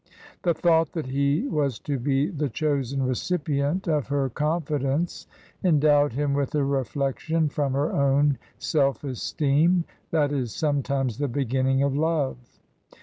The thought that he was to be the chosen recipient of her confidence endowed him with a reflection from her own self esteem. That is sometimes the beginning of love.